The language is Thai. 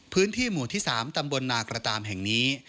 พื้นที่หมู่ที่๓ตำบลนากระตามแห่งนี้